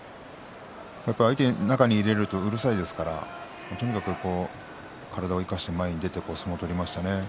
やっぱり相手を中に入れるとうるさいですからとにかく体を生かして前に出て相撲を取りましたね。